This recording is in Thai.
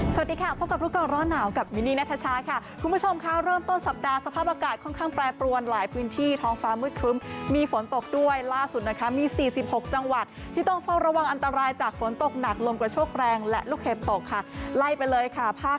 สวัสดีค่ะพบกับรู้ก่อนร้อนหนาวกับมินนี่นัทชาค่ะคุณผู้ชมค่ะเริ่มต้นสัปดาห์สภาพอากาศค่อนข้างแปรปรวนหลายพื้นที่ท้องฟ้ามืดครึ้มมีฝนตกด้วยล่าสุดนะคะมี๔๖จังหวัดที่ต้องเฝ้าระวังอันตรายจากฝนตกหนักลมกระโชคแรงและลูกเห็บตกค่ะไล่ไปเลยค่ะภาค